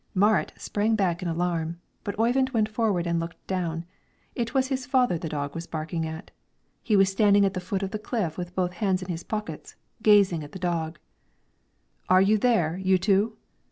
Marit sprang back in alarm; but Oyvind went forward and looked down. It was his father the dog was barking at. He was standing at the foot of the cliff with both hands in his pockets, gazing at the dog. "Are you there, you two?